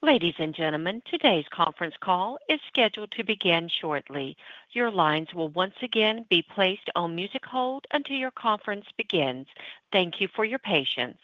Ladies and gentlemen, today's conference call is scheduled to begin shortly. Your lines will once again be placed on music hold until your conference begins. Thank you for your patience.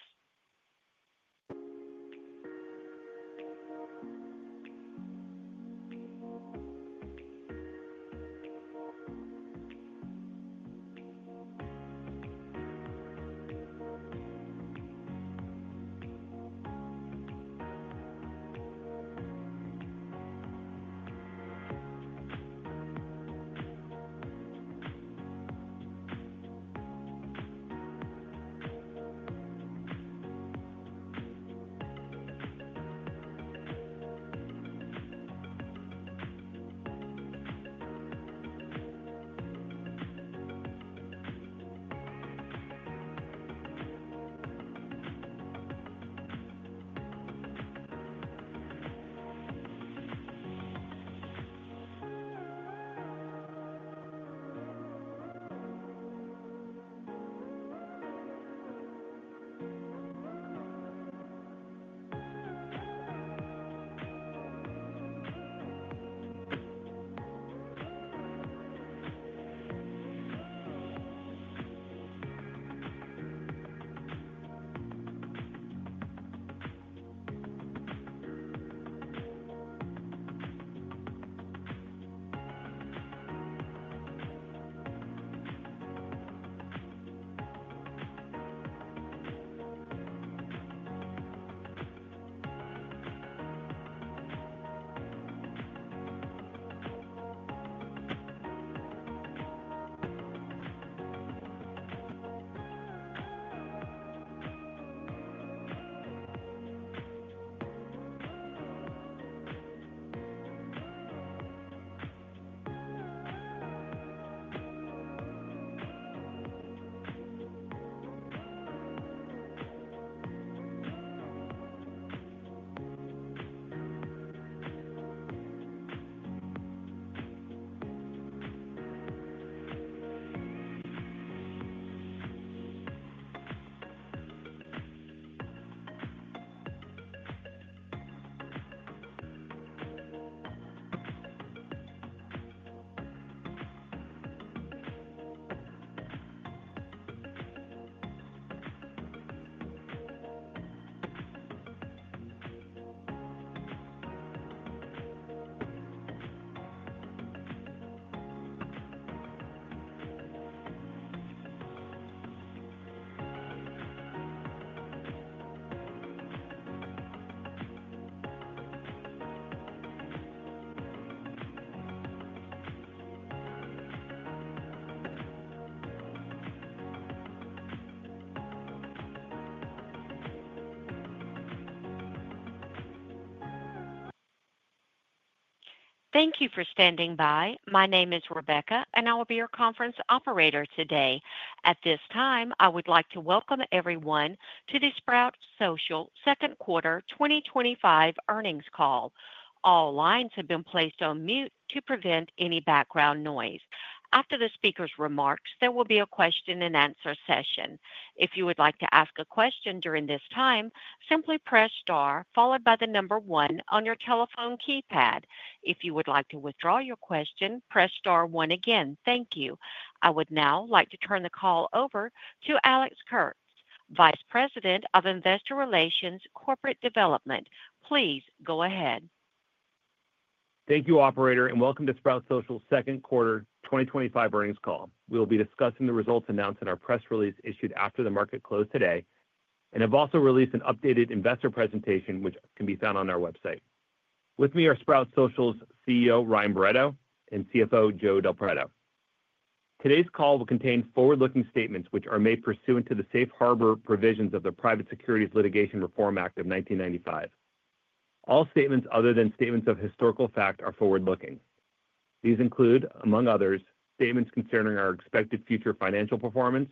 Thank you for standing by. My name is Rebecca, and I will be your conference operator today. At this time, I would like to welcome everyone to the Sprout Social Quarter 2025 earnings call. All lines have been placed on mute to prevent any background noise. After the speaker's remarks, there will be a question and answer session. If you would like to ask a question during this time, simply press star followed by the number one on your telephone keypad. If you would like to withdraw your question, press star one again. Thank you. I would now like to turn the call over to Alex Kurtz, Vice President of Investor Relations Corporate Development. Please go ahead. Thank you, operator, and welcome to Sprout Social Quarter 2025 earnings call. We'll be discussing the results announced in our press release issued after the market closed today, and I've also released an updated investor presentation, which can be found on our website. With me are Sprout Social's CEO, Ryan Barretto, and CFO, Joe Del Preto. Today's call will contain forward-looking statements, which are made pursuant to the Safe Harbor provisions of the Private Securities Litigation Reform Act of 1995. All statements, other than statements of historical fact, are forward-looking. These include, among others, statements concerning our expected future financial performance,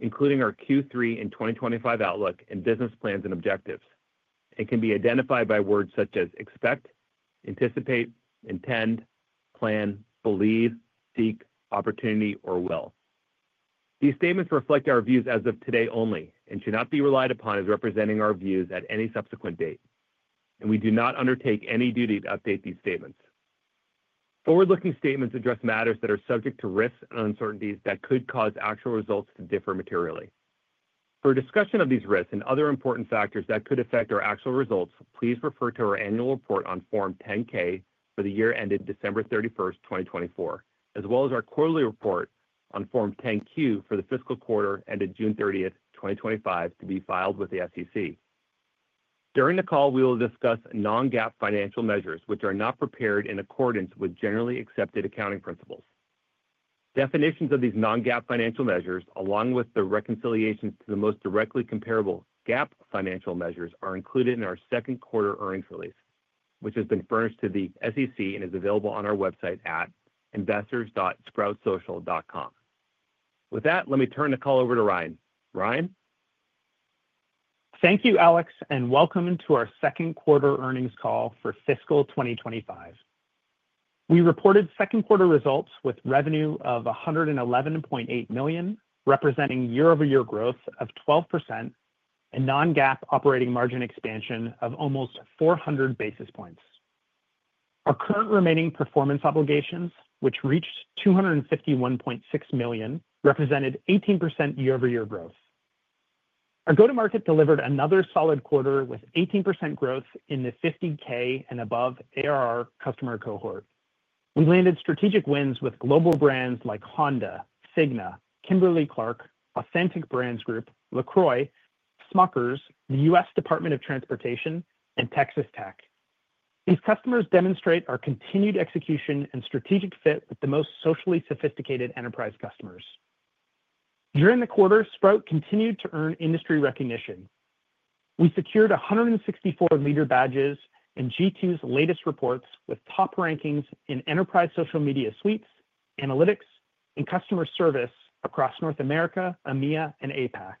including our Q3 and 2025 outlook and business plans and objectives, and can be identified by words such as expect, anticipate, intend, plan, believe, seek, opportunity, or will. These statements reflect our views as of today only and should not be relied upon as representing our views at any subsequent date. We do not undertake any duty to update these statements. Forward-looking statements address matters that are subject to risks and uncertainties that could cause actual results to differ materially. For a discussion of these risks and other important factors that could affect our actual results, please refer to our annual report on Form 10-K for the year ended December 31, 2024, as well as our quarterly report on Form 10-Q for the fiscal quarter ended June 30, 2025, to be filed with the SEC. During the call, we will discuss non-GAAP financial measures, which are not prepared in accordance with generally accepted accounting principles. Definitions of these non-GAAP financial measures, along with the reconciliations to the most directly comparable GAAP financial measures, are included in our second quarter earnings release, which has been furnished to the SEC and is available on our website at investors.sproutsocial.com. With that, let me turn the call over to Ryan. Ryan. Thank you, Alex, and welcome to our second quarter earnings call for fiscal 2025. We reported second quarter results with revenue of $111.8 million, representing year-over-year growth of 12%, and non-GAAP operating margin expansion of almost 400 basis points. Our current remaining performance obligations, which reached $251.6 million, represented 18% year-over-year growth. Our go-to-market delivered another solid quarter with 18% growth in the $50,000 and above ARR customer cohort. We landed strategic wins with global brands like Honda, Cigna, Kimberly-Clark, Authentic Brands Group, LaCroix, Smucker’s, the U.S. Department of Transportation, and Texas Tech. These customers demonstrate our continued execution and strategic fit with the most socially sophisticated enterprise customers. During the quarter, Sprout Social continued to earn industry recognition. We secured 164 leader badges in G2's latest reports with top rankings in enterprise social media suites, analytics, and customer service across North America, EMEA, and APAC.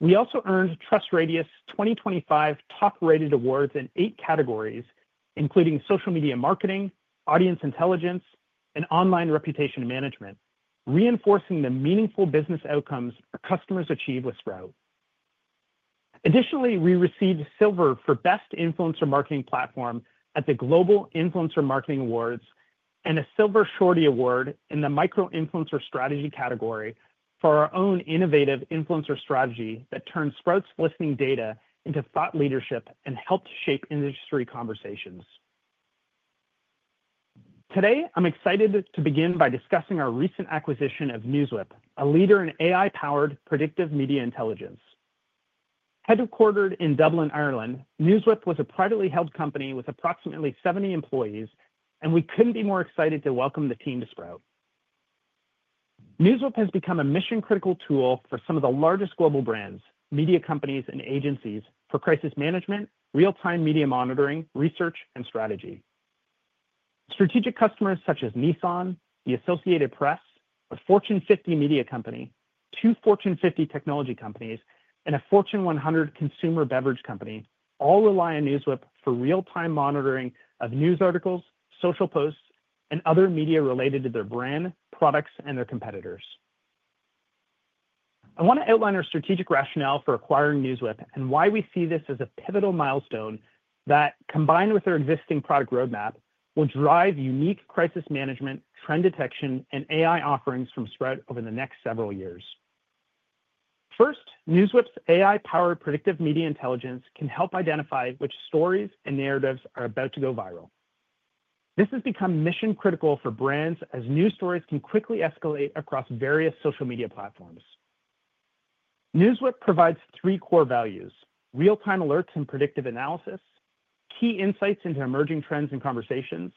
We also earned TrustRadius 2025 top-rated awards in eight categories, including social media marketing, audience intelligence, and online reputation management, reinforcing the meaningful business outcomes our customers achieve with Sprout Social. Additionally, we received silver for Best Influencer Marketing Platform at the Global Influencer Marketing Awards and a Silver Shorty Award in the Micro Influencer Strategy category for our own innovative influencer strategy that turned Sprout Social's listening data into thought leadership and helped shape industry conversations. Today, I'm excited to begin by discussing our recent acquisition of NewsWhip, a leader in AI-powered predictive media intelligence. Headquartered in Dublin, Ireland, NewsWhip was a privately held company with approximately 70 employees, and we couldn't be more excited to welcome the team to Sprout Social. NewsWhip has become a mission-critical tool for some of the largest global brands, media companies, and agencies for crisis management, real-time media monitoring, research, and strategy. Strategic customers such as Nissan, The Associated Press, a Fortune 50 media company, two Fortune 50 technology companies, and a Fortune 100 consumer beverage company all rely on NewsWhip for real-time monitoring of news articles, social posts, and other media related to their brand, products, and their competitors. I want to outline our strategic rationale for acquiring NewsWhip and why we see this as a pivotal milestone that, combined with our existing product roadmap, will drive unique crisis management, trend detection, and AI offerings from Sprout Social over the next several years. First, NewsWhip's AI-powered predictive media intelligence can help identify which stories and narratives are about to go viral. This has become mission-critical for brands as news stories can quickly escalate across various social media platforms. NewsWhip provides three core values: real-time alerts and predictive analysis, key insights into emerging trends and conversations,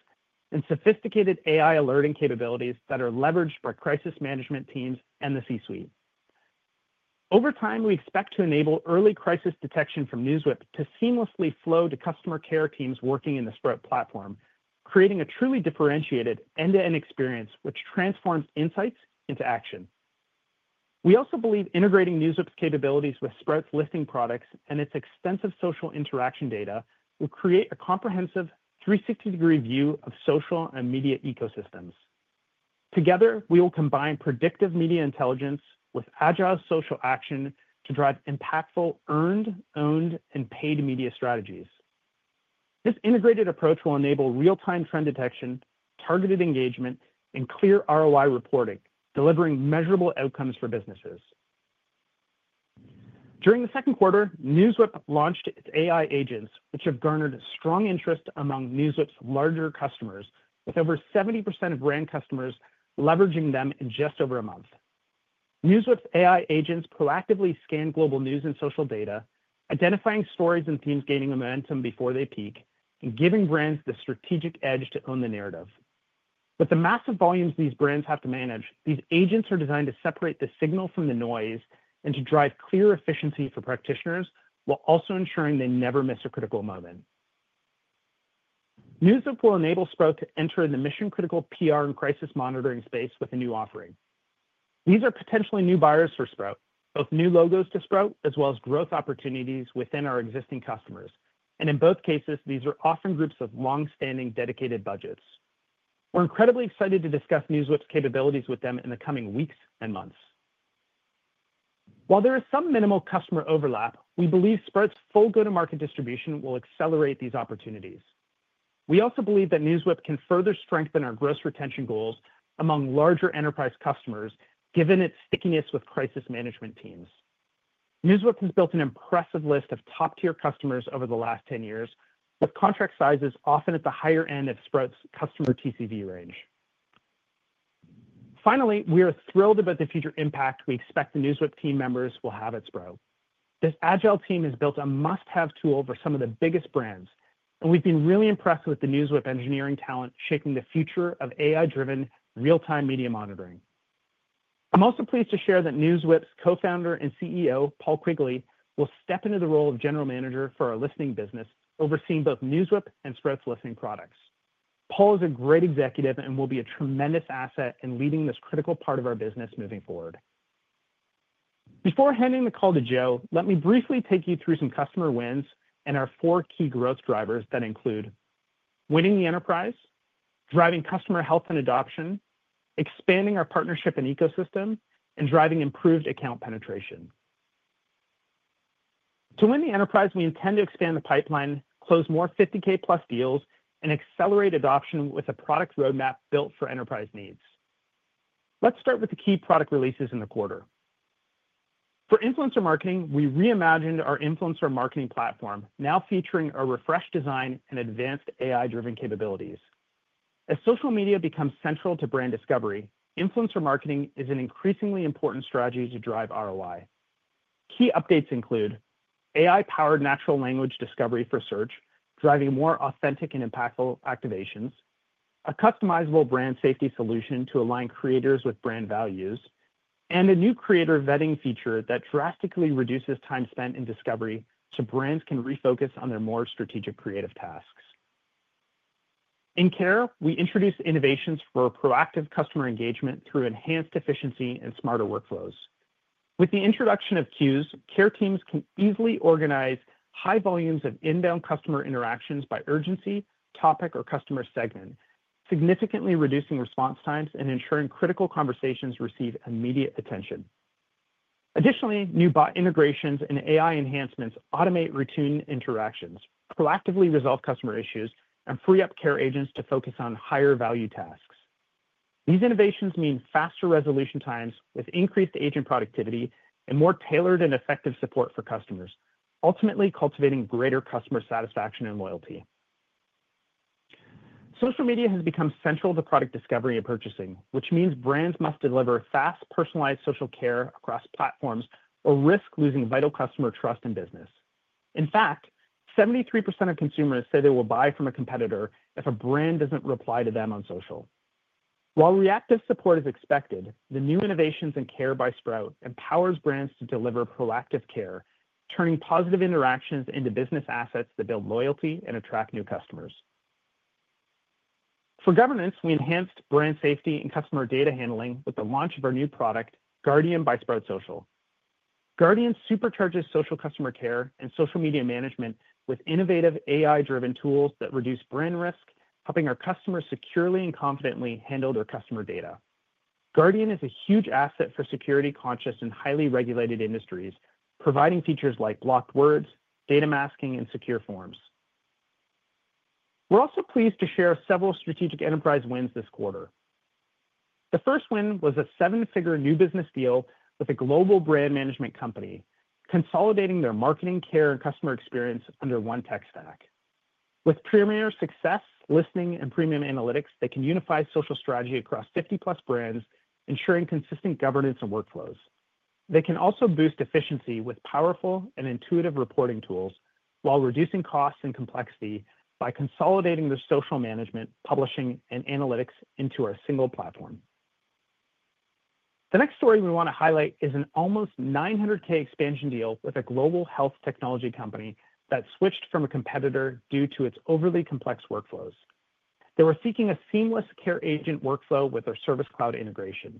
and sophisticated AI alerting capabilities that are leveraged by crisis management teams and the C-suite. Over time, we expect to enable early crisis detection from NewsWhip to seamlessly flow to customer care teams working in the Sprout Social platform, creating a truly differentiated end-to-end experience which transforms insights into action. We also believe integrating NewsWhip's capabilities with Sprout Social's listening products and its extensive social interaction data will create a comprehensive 360-degree view of social and media ecosystems. Together, we will combine predictive media intelligence with agile social action to drive impactful earned, owned, and paid media strategies. This integrated approach will enable real-time trend detection, targeted engagement, and clear ROI reporting, delivering measurable outcomes for businesses. During the second quarter, NewsWhip launched its AI agents, which have garnered strong interest among NewsWhip's larger customers, with over 70% of brand customers leveraging them in just over a month. NewsWhip's AI agents proactively scan global news and social data, identifying stories and themes gaining momentum before they peak, and giving brands the strategic edge to own the narrative. With the massive volumes these brands have to manage, these agents are designed to separate the signal from the noise and to drive clear efficiency for practitioners while also ensuring they never miss a critical moment. NewsWhip will enable Sprout Social to enter in the mission-critical PR and crisis monitoring space with a new offering. These are potentially new buyers for Sprout Social, both new logos to Sprout Social, as well as growth opportunities within our existing customers. In both cases, these are often groups with long-standing dedicated budgets. We're incredibly excited to discuss NewsWhip's capabilities with them in the coming weeks and months. While there is some minimal customer overlap, we believe Sprout Social's full go-to-market distribution will accelerate these opportunities. We also believe that NewsWhip can further strengthen our growth retention goals among larger enterprise customers, given its stickiness with crisis management teams. NewsWhip has built an impressive list of top-tier customers over the last 10 years, with contract sizes often at the higher end of Sprout Social's customer TCV range. Finally, we are thrilled about the future impact we expect the NewsWhip team members will have at Sprout Social. This agile team has built a must-have tool for some of the biggest brands, and we've been really impressed with the NewsWhip engineering talent shaping the future of AI-driven real-time media monitoring. I'm also pleased to share that NewsWhip's Co-founder and CEO, Paul Quigley, will step into the role of General Manager for our listening business, overseeing both NewsWhip and Sprout Social's listening products. Paul is a great executive and will be a tremendous asset in leading this critical part of our business moving forward. Before handing the call to Joe, let me briefly take you through some customer wins and our four key growth drivers that include winning the enterprise, driving customer health and adoption, expanding our partnership and ecosystem, and driving improved account penetration. To win the enterprise, we intend to expand the pipeline, close more $50,000+ deals, and accelerate adoption with a product roadmap built for enterprise needs. Let's start with the key product releases in the quarter. For influencer marketing, we reimagined our influencer marketing platform, now featuring a refreshed design and advanced AI-driven capabilities. As social media becomes central to brand discovery, influencer marketing is an increasingly important strategy to drive ROI. Key updates include AI-powered natural language discovery for search, driving more authentic and impactful activations, a customizable brand safety solution to align creators with brand values, and a new creator vetting feature that drastically reduces time spent in discovery so brands can refocus on their more strategic creative tasks. In care, we introduced innovations for proactive customer engagement through enhanced efficiency and smarter workflows. With the introduction of queues, care teams can easily organize high volumes of inbound customer interactions by urgency, topic, or customer segment, significantly reducing response times and ensuring critical conversations receive immediate attention. Additionally, new bot integrations and AI enhancements automate routine interactions, proactively resolve customer issues, and free up care agents to focus on higher value tasks. These innovations mean faster resolution times with increased agent productivity and more tailored and effective support for customers, ultimately cultivating greater customer satisfaction and loyalty. Social media has become central to product discovery and purchasing, which means brands must deliver fast, personalized social care across platforms or risk losing vital customer trust and business. In fact, 73% of consumers say they will buy from a competitor if a brand doesn't reply to them on social. While reactive support is expected, the new innovations and care by Sprout Social empower brands to deliver proactive care, turning positive interactions into business assets that build loyalty and attract new customers. For governance, we enhanced brand safety and customer data handling with the launch of our new product, Guardian by Sprout Social. Guardian supercharges social customer care and social media management with innovative AI-driven tools that reduce brand risk, helping our customers securely and confidently handle their customer data. Guardian is a huge asset for security-conscious and highly regulated industries, providing features like blocked words, data masking, and secure forms. We're also pleased to share several strategic enterprise wins this quarter. The first win was a seven-figure new business deal with a global brand management company, consolidating their marketing, care, and customer experience under one tech stack. With Premier Success Lite, listening, and premium analytics, they can unify social strategy across 50+ brands, ensuring consistent governance and workflows. They can also boost efficiency with powerful and intuitive reporting tools while reducing costs and complexity by consolidating their social management, publishing, and analytics into our single platform. The next story we want to highlight is an almost $900,000 expansion deal with a global health technology company that switched from a competitor due to its overly complex workflows. They were seeking a seamless care agent workflow with our Service Cloud integration.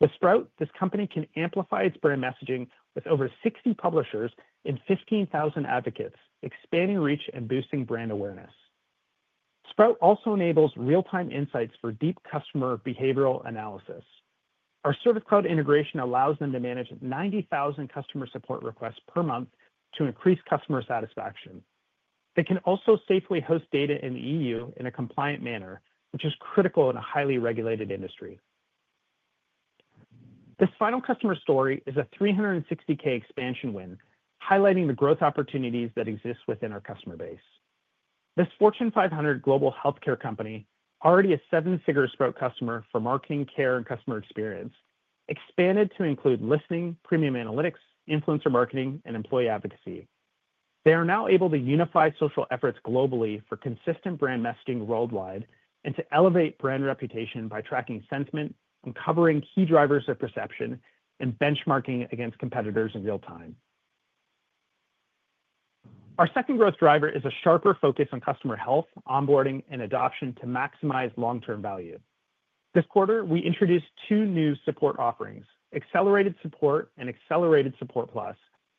With Sprout, this company can amplify its brand messaging with over 60 publishers and 15,000 advocates, expanding reach and boosting brand awareness. Sprout also enables real-time insights for deep customer behavioral analysis. Our Service Cloud integration allows them to manage 90,000 customer support requests per month to increase customer satisfaction. They can also safely host data in the EU in a compliant manner, which is critical in a highly regulated industry. This final customer story is a $360,000 expansion win, highlighting the growth opportunities that exist within our customer base. This Fortune 500 global healthcare company, already a seven-figure Sprout customer for marketing, care, and customer experience, expanded to include listening, premium analytics, influencer marketing, and employee advocacy. They are now able to unify social efforts globally for consistent brand messaging worldwide and to elevate brand reputation by tracking sentiment, uncovering key drivers of perception, and benchmarking against competitors in real time. Our second growth driver is a sharper focus on customer health, onboarding, and adoption to maximize long-term value. This quarter, we introduced two new support offerings, Accelerated Support and Accelerated Support Plus,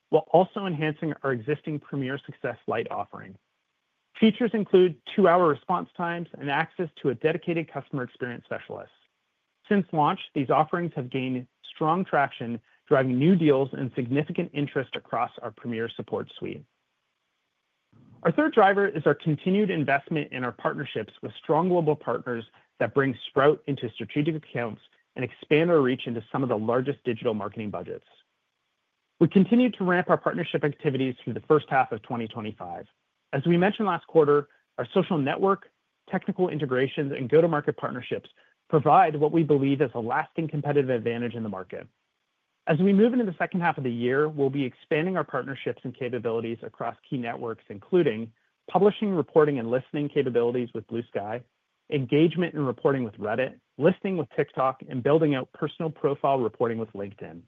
while also enhancing our existing Premier Success Lite offering. Features include two-hour response times and access to a dedicated customer experience specialist. Since launch, these offerings have gained strong traction, driving new deals and significant interest across our Premier Support Suite. Our third driver is our continued investment in our partnerships with strong global partners that bring Sprout into strategic accounts and expand our reach into some of the largest digital marketing budgets. We continue to ramp our partnership activities through the first half of 2025. As we mentioned last quarter, our social network, technical integrations, and go-to-market partnerships provide what we believe is a lasting competitive advantage in the market. As we move into the second half of the year, we'll be expanding our partnerships and capabilities across key networks, including publishing, reporting, and listening capabilities with Bluesky, engagement and reporting with Reddit, listening with TikTok, and building out personal profile reporting with LinkedIn.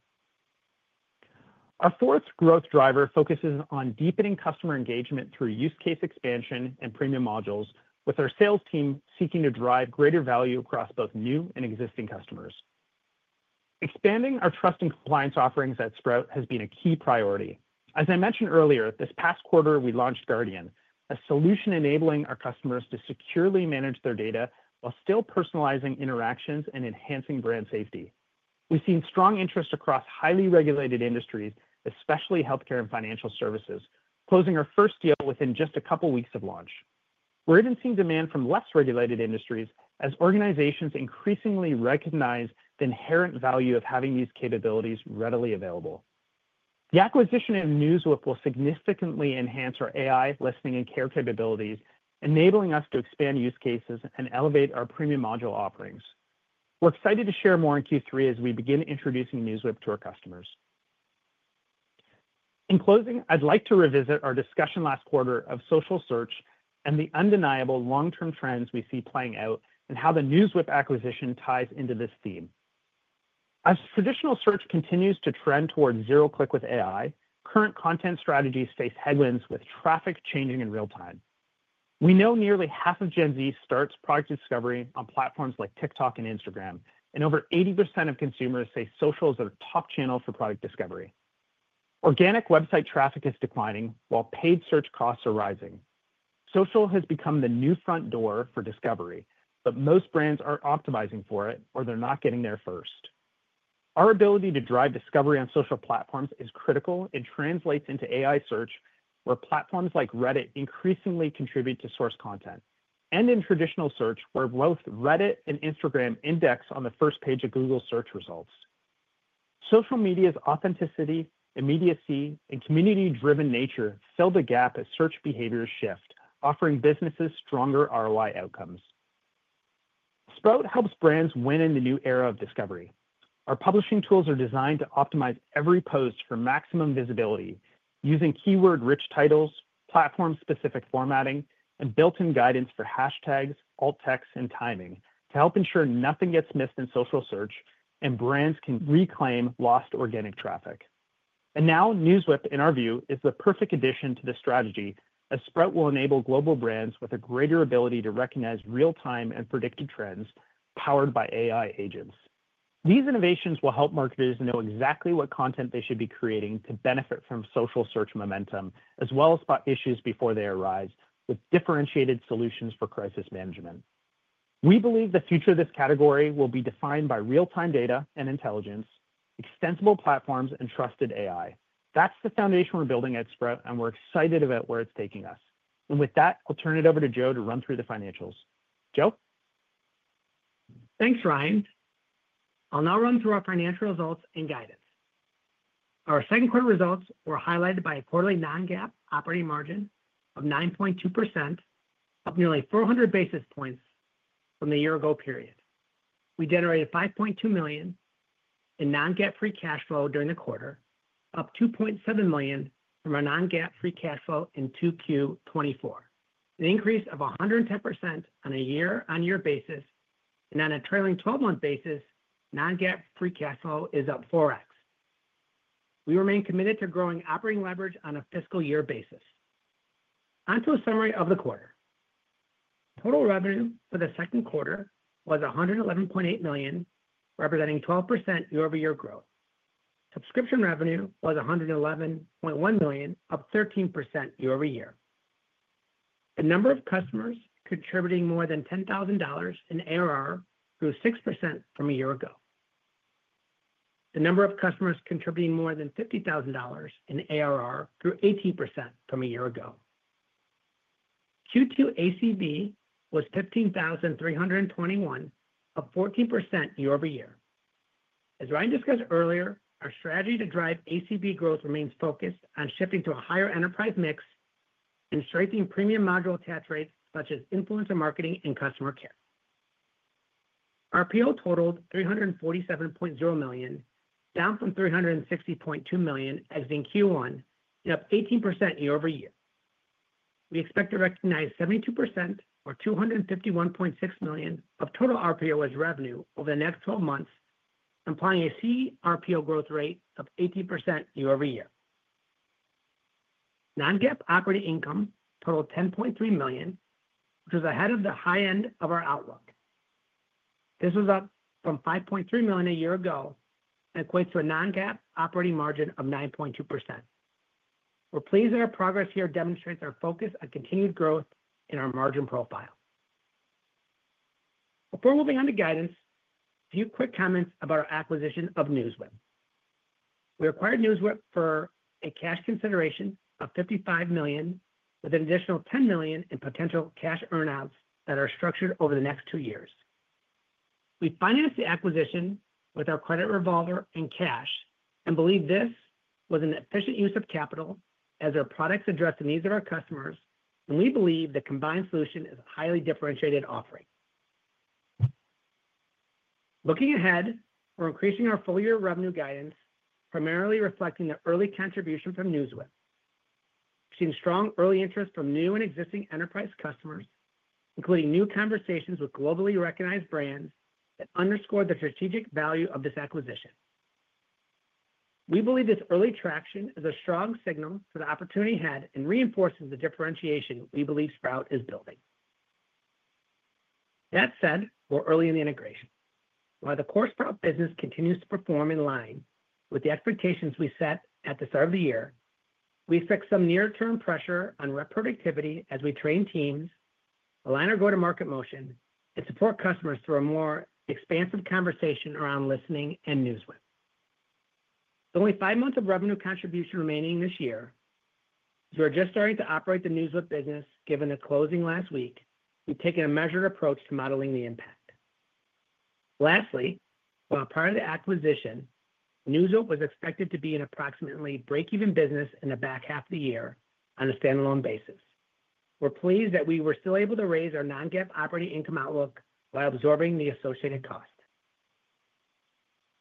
Our fourth growth driver focuses on deepening customer engagement through use case expansion and premium modules, with our sales team seeking to drive greater value across both new and existing customers. Expanding our trust and compliance offerings at Sprout Social has been a key priority. As I mentioned earlier, this past quarter, we launched Guardian by Sprout Social, a solution enabling our customers to securely manage their data while still personalizing interactions and enhancing brand safety. We've seen strong interest across highly regulated industries, especially healthcare and financial services, closing our first deal within just a couple of weeks of launch. We're even seeing demand from less regulated industries as organizations increasingly recognize the inherent value of having these capabilities readily available. The acquisition of NewsWhip will significantly enhance our AI, listening, and care capabilities, enabling us to expand use cases and elevate our premium module offerings. We're excited to share more in Q3 as we begin introducing NewsWhip to our customers. In closing, I'd like to revisit our discussion last quarter of social search and the undeniable long-term trends we see playing out and how the NewsWhip acquisition ties into this theme. As traditional search continues to trend toward zero-click with AI, current content strategies face headwinds with traffic changing in real time. We know nearly half of Gen Z starts product discovery on platforms like TikTok and Instagram, and over 80% of consumers say social is their top channel for product discovery. Organic website traffic is declining while paid search costs are rising. Social has become the new front door for discovery, but most brands aren't optimizing for it or they're not getting there first. Our ability to drive discovery on social platforms is critical and translates into AI search, where platforms like Reddit increasingly contribute to source content, and in traditional search, where both Reddit and Instagram index on the first page of Google search results. Social media's authenticity, immediacy, and community-driven nature fill the gap as search behaviors shift, offering businesses stronger ROI outcomes. Sprout Social helps brands win in the new era of discovery. Our publishing tools are designed to optimize every post for maximum visibility, using keyword-rich titles, platform-specific formatting, and built-in guidance for hashtags, alt texts, and timing to help ensure nothing gets missed in social search and brands can reclaim lost organic traffic. NewsWhip, in our view, is the perfect addition to the strategy as Sprout Social will enable global brands with a greater ability to recognize real-time and predicted trends powered by AI agents. These innovations will help marketers know exactly what content they should be creating to benefit from social search momentum, as well as spot issues before they arise with differentiated solutions for crisis management. We believe the future of this category will be defined by real-time data and intelligence, extensible platforms, and trusted AI. That is the foundation we're building at Sprout Social, and we're excited about where it's taking us. With that, I'll turn it over to Joe to run through the financials. Joe. Thanks, Ryan. I'll now run through our financial results and guidance. Our second quarter results were highlighted by a quarterly non-GAAP operating margin of 9.2%, up nearly 400 basis points from the year-ago period. We generated $5.2 million in non-GAAP free cash flow during the quarter, up $2.7 million from our non-GAAP free cash flow in Q2 2024, an increase of 110% on a year-on-year basis. On a trailing 12-month basis, non-GAAP free cash flow is up 4x. We remain committed to growing operating leverage on a fiscal year basis. Onto a summary of the quarter. Total revenue for the second quarter was $111.8 million, representing 12% year-over-year growth. Subscription revenue was $111.1 million, up 13% year-over-year. The number of customers contributing more than $10,000 in ARR grew 6% from a year ago. The number of customers contributing more than $50,000 in ARR grew 18% from a year ago. Q2 ACV was $15,321, up 14% year-over-year. As Ryan discussed earlier, our strategy to drive ACV growth remains focused on shifting to a higher enterprise mix and strengthening premium module attach rates, such as influencer marketing and customer care. Our RPO totaled $347.0 million, down from $360.2 million in Q1, and up 18% year-over-year. We expect to recognize 72%, or $251.6 million, of total RPO as revenue over the next 12 months, implying a CRPO growth rate of 18% year-over-year. Non-GAAP operating income totaled $10.3 million, which was ahead of the high end of our outlook. This was up from $5.3 million a year ago and equates to a non-GAAP operating margin of 9.2%. We're pleased that our progress here demonstrates our focus on continued growth in our margin profile. Before moving on to guidance, a few quick comments about our acquisition of NewsWhip. We acquired NewsWhip for a cash consideration of $55 million, with an additional $10 million in potential cash earnouts that are structured over the next two years. We financed the acquisition with our credit revolver and cash and believe this was an efficient use of capital as our products address the needs of our customers, and we believe the combined solution is a highly differentiated offering. Looking ahead, we're increasing our full-year revenue guidance, primarily reflecting the early contribution from NewsWhip. We've seen strong early interest from new and existing enterprise customers, including new conversations with globally recognized brands that underscore the strategic value of this acquisition. We believe this early traction is a strong signal for the opportunity ahead and reinforces the differentiation we believe Sprout is building. That said, we're early in the integration. While the core Sprout business continues to perform in line with the expectations we set at the start of the year, we face some near-term pressure on productivity as we train teams, align our go-to-market motion, and support customers through a more expansive conversation around listening and NewsWhip. With only five months of revenue contribution remaining this year, as we're just starting to operate the NewsWhip business, given the closing last week, we've taken a measured approach to modeling the impact. Lastly, while as part of the acquisition, NewsWhip was expected to be an approximately break-even business in the back half of the year on a standalone basis. We're pleased that we were still able to raise our non-GAAP operating income outlook while absorbing the associated cost.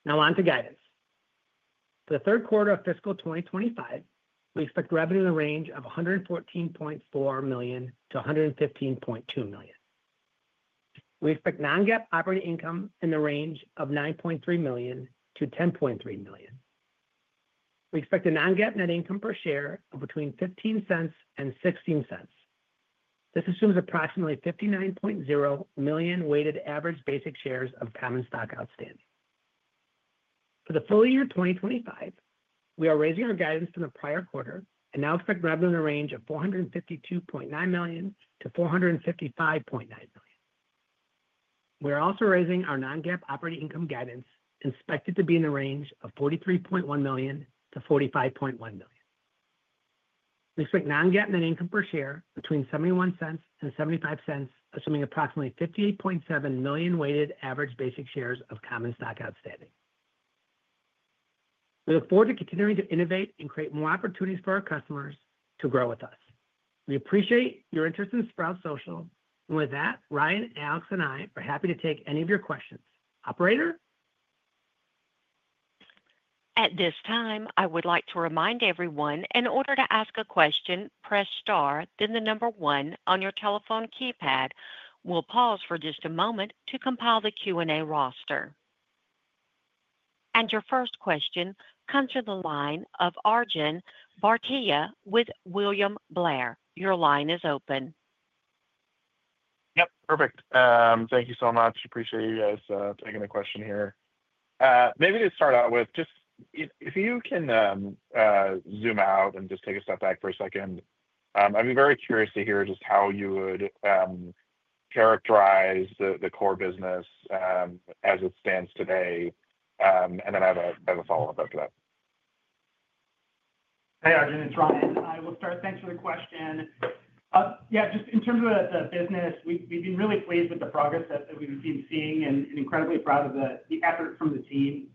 Now on to guidance. For the third quarter of fiscal 2025, we expect revenue in the range of $114.4 million-$115.2 million. We expect non-GAAP operating income in the range of $9.3 million-$10.3 million. We expect a non-GAAP net income per share of between $0.15-$0.16. This assumes approximately 59.0 million weighted average basic shares of common stock outstanding. For the full year 2025, we are raising our guidance from the prior quarter and now expect revenue in the range of $452.9 million- $455.9 million. We are also raising our non-GAAP operating income guidance and expect it to be in the range of $43.1 million-$45.1 million. We expect non-GAAP net income per share between $0.71- and $0.75, assuming approximately 58.7 million weighted average basic shares of common stock outstanding. We look forward to continuing to innovate and create more opportunities for our customers to grow with us. We appreciate your interest in Sprout Social. With that, Ryan, Alex, and I are happy to take any of your questions. Operator? At this time, I would like to remind everyone, in order to ask a question, press star, then the number one on your telephone keypad. We'll pause for just a moment to compile the Q&A roster. Your first question comes from the line of Arjun Bhatia with William Blair. Your line is open. Perfect. Thank you so much. Appreciate you guys taking the question here. Maybe to start out with, if you can zoom out and just take a step back for a second, I'd be very curious to hear just how you would characterize the core business as it stands today. I have a follow-up after that. Hey, Arjun. It's Ryan. I will start. Thanks for the question. Yeah, just in terms of the business, we've been really pleased with the progress that we've been seeing and incredibly proud of the effort from the team.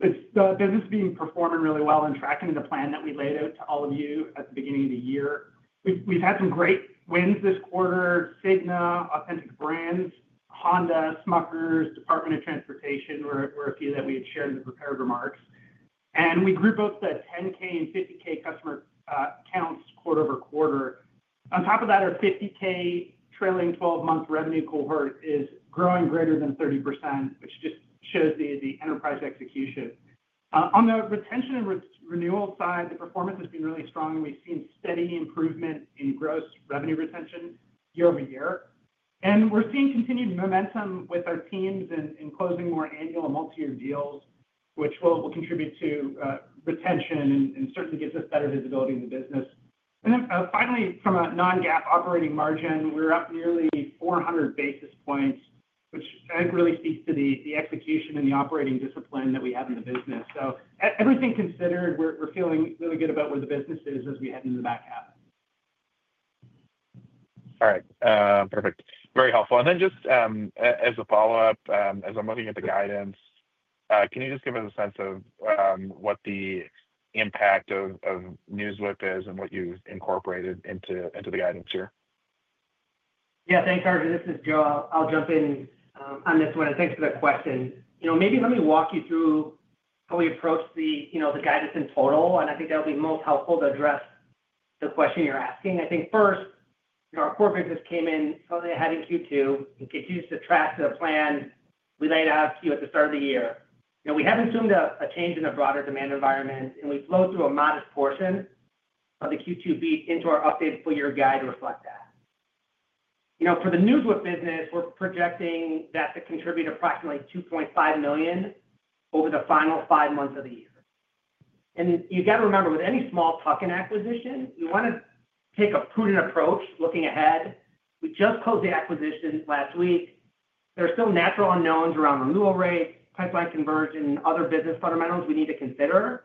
The business is performing really well and tracking the plan that we laid out to all of you at the beginning of the year. We've had some great wins this quarter: Cigna, Authentic Brands Group, Honda, Smucker’s, U.S. Department of Transportation were a few that we had shared in the prepared remarks. We grew both the $10,000 and $50,000 customer accounts quarter over quarter. On top of that, our $50,000 trailing 12-month revenue cohort is growing greater than 30%, which just shows the enterprise execution. On the retention and renewal side, the performance has been really strong. We've seen steady improvement in growth, revenue retention year over year. We're seeing continued momentum with our teams in closing more annual and multi-year deals, which will contribute to retention and certainly gives us better visibility in the business. Finally, from a non-GAAP operating margin, we're up nearly 400 basis points, which I think really speaks to the execution and the operating discipline that we have in the business. Everything considered, we're feeling really good about where the business is as we head into the back half. All right. Perfect. Very helpful. Just as a follow-up, as I'm looking at the guidance, can you give us a sense of what the impact of NewsWhip is and what you've incorporated into the guidance here? Yeah, thanks, Arjun. This is Joe. I'll jump in on this one. Thanks for the question. Maybe let me walk you through how we approach the guidance in total. I think that would be most helpful to address the question you're asking. I think first, our core business came in earlier ahead in Q2. It's used to track the plan we laid out to you at the start of the year. We have assumed a change in the broader demand environment, and we flowed through a modest portion of the Q2 beat into our updated full-year guide to reflect that. For the NewsWhip business, we're projecting that to contribute approximately $2.5 million over the final five months of the year. You've got to remember, with any small tuck-in acquisition, we want to take a prudent approach looking ahead. We just closed the acquisitions last week. There are still natural unknowns around renewal rates, pipeline conversion, and other business fundamentals we need to consider.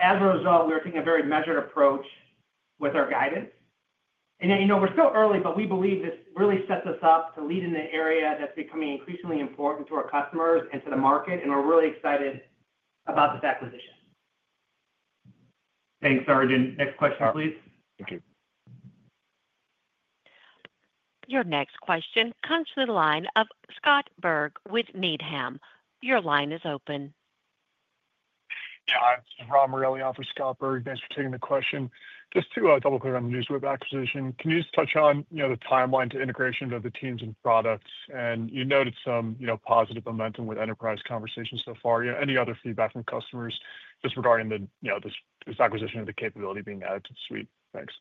As a result, we're taking a very measured approach with our guidance. Yet, we're still early, but we believe this really sets us up to lead in the area that's becoming increasingly important to our customers and to the market. We're really excited about this acquisition. Thanks, Arjun. Next question, please. Your next question comes from the line of Scott Berg with Needham. Your line is open. Hi, I'm Ryan Morelli for Scott Berg. Thanks for taking the question. Just to double-click on the NewsWhip acquisition, can you just touch on the timeline to integration of the teams and products? You noted some positive momentum with enterprise conversations so far. Any other feedback from customers just regarding this acquisition of the capability being added to the suite? Thanks.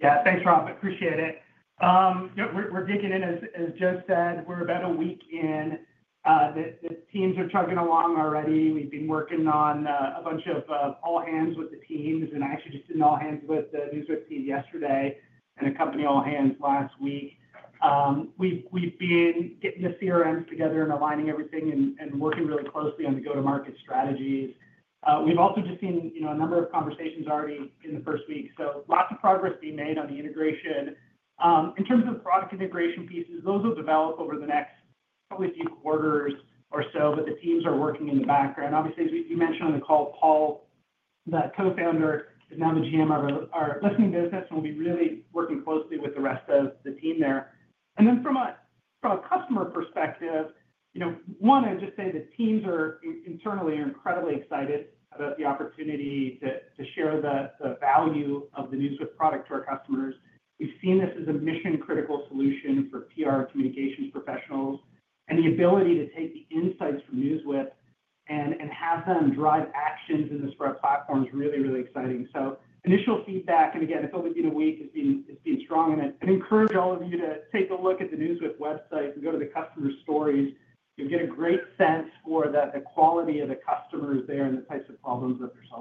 Yeah, thanks, Rob. Appreciate it. We're digging in, as Joe said, we're about a week in. The teams are chugging along already. We've been working on a bunch of all-hands with the teams. I actually just did an all-hands with the NewsWhip team yesterday and a company all-hands last week. We've been getting the CRMs together and aligning everything and working really closely on the go-to-market strategy. We've also just seen a number of conversations already in the first week. Lots of progress being made on the integration. In terms of the product integration pieces, those will develop over the next probably a few quarters or so, but the teams are working in the background. Obviously, as you mentioned on the call, Paul, the Co-founder, the now GM of our listening business, and we'll be really working closely with the rest of the team there. From a customer perspective, you know, one, I'd just say the teams internally are incredibly excited about the opportunity to share the value of the NewsWhip product to our customers. We've seen this as a mission-critical solution for PR communications professionals. The ability to take the insights from NewsWhip and have them drive actions in the Sprout platform is really, really exciting. Initial feedback, and again, it's only been a week, has been strong. I'd encourage all of you to take a look at the NewsWhip website and go to the customer stories. You'll get a great sense for the quality of the customers there and the types of problems that they're solving.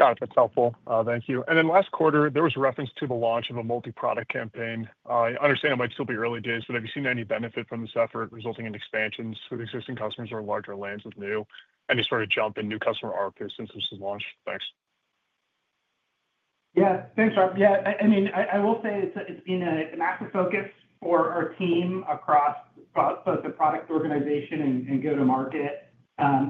Got it. That's helpful. Thank you. Last quarter, there was reference to the launch of a multi-product campaign. I understand it might still be early days, but have you seen any benefit from this effort resulting in expansions with existing customers or larger lands with new? Any sort of jump in new customer ARR since this was launched? Thanks. Yeah, thanks, Rob. I will say it's been an active focus for our team across both the product organization and go-to-market.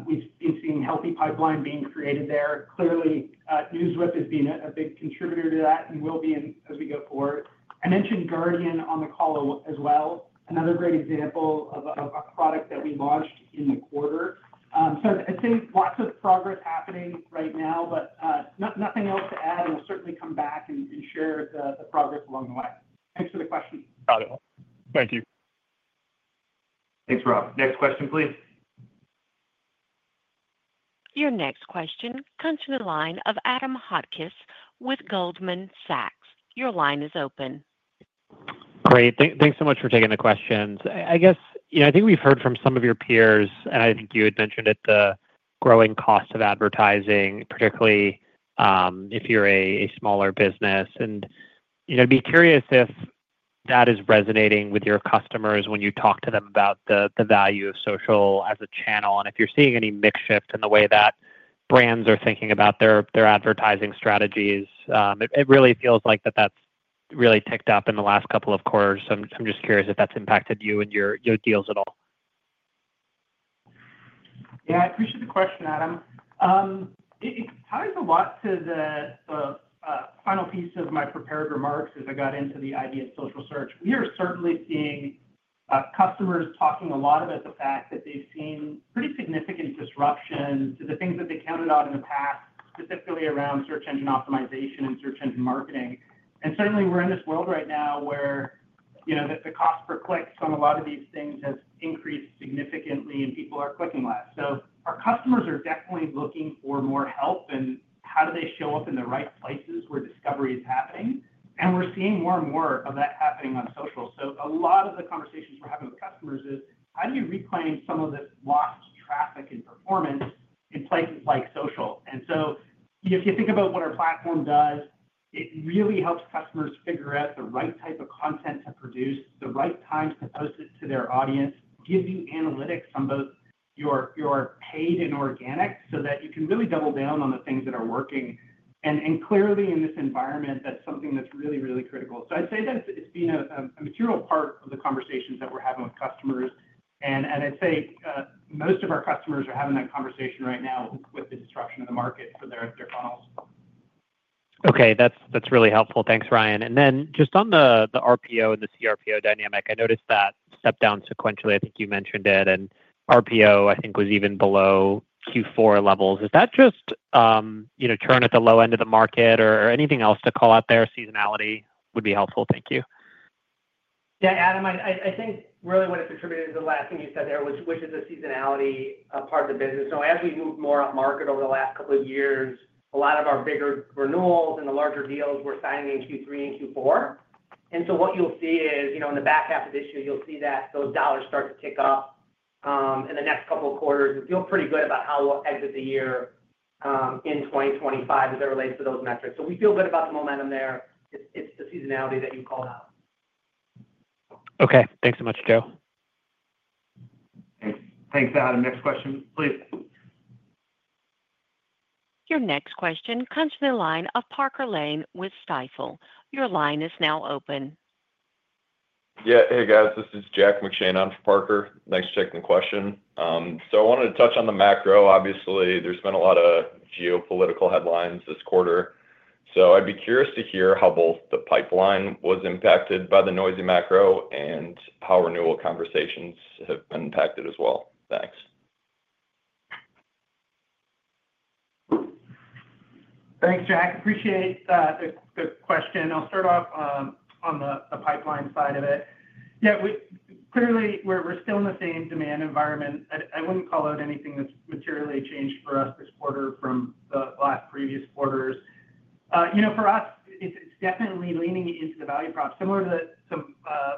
We've seen a healthy pipeline being created there. Clearly, NewsWhip has been a big contributor to that and will be as we go forward. I mentioned Guardian on the call as well, another great example of a product that we launched in the quarter. I'd say lots of progress happening right now, but nothing else to add. We'll certainly come back and share the progress along the way. Thanks for the question. Got it. Thank you. Thanks, Rob. Next question, please. Your next question comes from the line of Adam Hotchkiss with Goldman Sachs. Your line is open. Great. Thanks so much for taking the questions. I guess, you know, I think we've heard from some of your peers, and I think you had mentioned it, the growing cost of advertising, particularly if you're a smaller business. I'd be curious if that is resonating with your customers when you talk to them about the value of social as a channel. If you're seeing any mix shift in the way that brands are thinking about their advertising strategies, it really feels like that's really ticked up in the last couple of quarters. I'm just curious if that's impacted you and your deals at all. Yeah, I appreciate the question, Adam. It ties a lot to the final piece of my prepared remarks as I got into the idea of social search. We are certainly seeing customers talking a lot about the fact that they've seen pretty significant disruption to the things that they counted on in the past, specifically around search engine optimization and search engine marketing. We are in this world right now where, you know, the cost per click on a lot of these things has increased significantly, and people are clicking less. Our customers are definitely looking for more help in how do they show up in the right places where discovery is happening. We are seeing more and more of that happening on social. A lot of the conversations we're having with customers is, how do you reclaim some of the lost traffic and performance in places like social? If you think about what our platform does, it really helps customers figure out the right type of content to produce at the right time to post it to their audience, give you analytics on both your paid and organic so that you can really double down on the things that are working. Clearly, in this environment, that's something that's really, really critical. I'd say that it's been a material part of the conversations that we're having with customers. I'd say most of our customers are having that conversation right now with the disruption of the market for their funnels. Okay, that's really helpful. Thanks, Ryan. On the RPO and the cRPO dynamic, I noticed that stepped down sequentially. I think you mentioned it. RPO, I think, was even below Q4 levels. Is that just churn at the low end of the market or anything else to call out there? Seasonality would be helpful. Thank you. Yeah, Adam, I think really what it's attributed to is the last thing you said there, which is the seasonality part of the business. We actually moved more up market over the last couple of years. A lot of our bigger renewals and the larger deals were signed in Q3 and Q4. What you'll see is, in the back half of this year, you'll see that those dollars start to tick up. In the next couple of quarters, we feel pretty good about how we'll exit the year in 2025 as they're related to those metrics. We feel good about the momentum there. It's the seasonality that you called out. Okay. Thanks so much, Joe. Thanks, Adam. Next question, please. Your next question comes from the line of Parker Lane with Stifel. Your line is now open. Yeah, hey, guys. This is John McShane. I'm from Parker. Nice checking the question. I wanted to touch on the macro. Obviously, there's been a lot of geopolitical headlines this quarter. I'd be curious to hear how both the pipeline was impacted by the noisy macro and how renewal conversations have been impacted as well. Thanks. Thanks, Jack. Appreciate the question. I'll start off on the pipeline side of it. Yeah, clearly, we're still in the same demand environment. I wouldn't call out anything that's materially changed for us this quarter from the last previous quarters. For us, it's definitely leaning into the value prop, similar to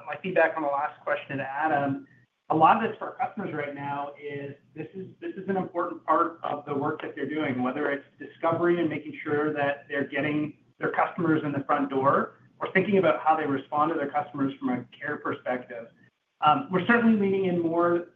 my feedback on the last question to Adam. A lot of this for our customers right now is this is an important part of the work that they're doing, whether it's discovery and making sure that they're getting their customers in the front door or thinking about how they respond to their customers from a care perspective. We're certainly leaning in more,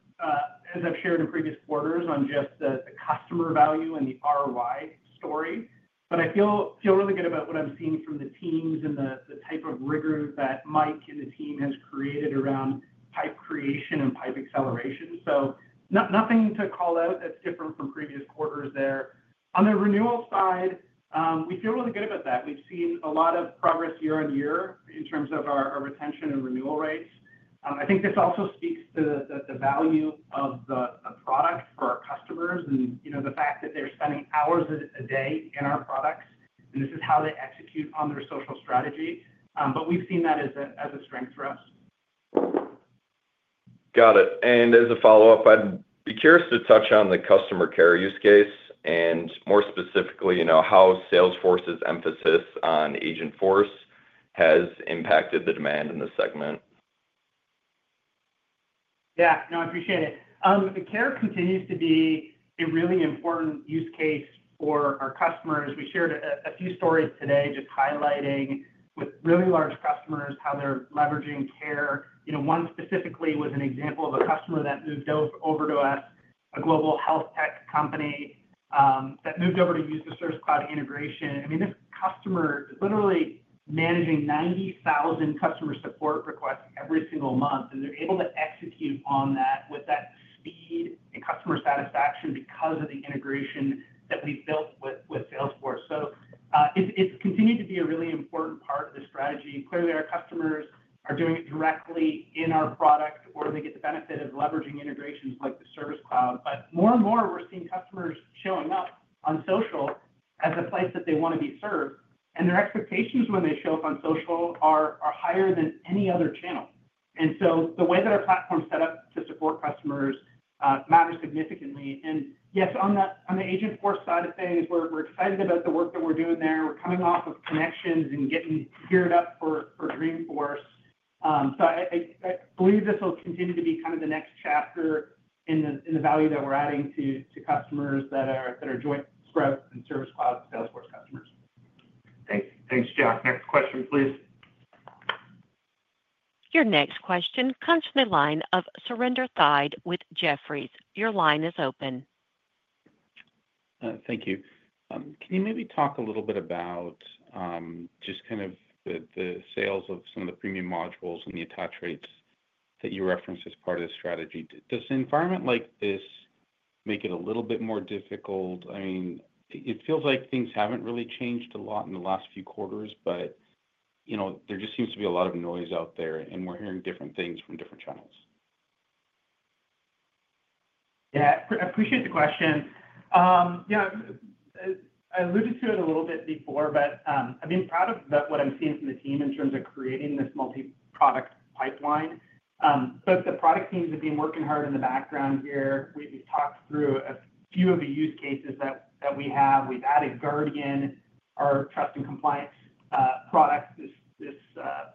as I've shared in previous quarters, on just the customer value and the ROI story. I feel really good about what I'm seeing from the teams and the type of rigor that Mike and the team has created around pipe creation and pipe acceleration. Nothing to call out that's different from previous quarters there. On the renewal side, we feel really good about that. We've seen a lot of progress year-on-year in terms of our retention and renewal rates. I think this also speaks to the value of the product for our customers and the fact that they're spending hours a day in our products and this is how they execute on their social strategy. We've seen that as a strength for us. Got it. As a follow-up, I'd be curious to touch on the customer care use case and, more specifically, how Salesforce's emphasis on Agentforce has impacted the demand in this segment. Yeah, no, I appreciate it. Care continues to be a really important use case for our customers. We shared a few stories today just highlighting really large customers, how they're leveraging care. One specifically was an example of a customer that moved over to a global health tech company that moved over to use our Service Cloud integration. This customer is literally managing 90,000 customer support requests every single month. They're able to execute on that with that speed and customer satisfaction because of the integration that we've built with Salesforce. It has continued to be a really important part of the strategy. Clearly, our customers are doing it directly in our product or they get the benefit of leveraging integrations like the Service Cloud. More and more, we're seeing customers showing up on social as a place that they want to be served. Their expectations when they show up on social are higher than any other channel. The way that our platform is set up to support customers matters significantly. Yes, on the agent force side of things, we're excited about the work that we're doing there. We're coming off of Connections and getting geared up for Dreamforce. I believe this will continue to be kind of the next chapter in the value that we're adding to customers that are joint growth and Service Cloud Salesforce customers. Thanks, Jack. Next question, please. Your next question comes from the line of Surinder Thind with Jefferies. Your line is open. Thank you. Can you maybe talk a little bit about just kind of the sales of some of the premium modules and the attach rates that you referenced as part of the strategy? Does an environment like this make it a little bit more difficult? I mean, it feels like things haven't really changed a lot in the last few quarters, but you know, there just seems to be a lot of noise out there, and we're hearing different things from different channels. Yeah, I appreciate the question. I alluded to it a little bit before, but I've been proud of what I'm seeing from the team in terms of creating this multi-product pipeline. The product teams have been working hard in the background here. We talked through a few of the use cases that we have. We've added Guardian by Sprout Social, our trust and compliance product. This